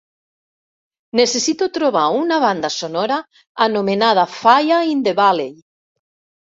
Necessito trobar una banda sonora anomenada Fire in the Valley